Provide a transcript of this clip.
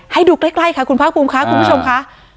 ให้ดูใกล้ค่ะคุณภาคภูมิค่ะคุณผู้ชมค่ะ